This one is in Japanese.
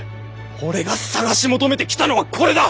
俺が探し求めてきたのはこれだ！